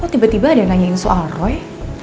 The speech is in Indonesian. wah tiba tiba ada yang nanyain soal roy